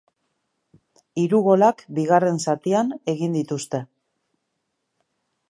Hiru golak bigarren zatian egin dituzte.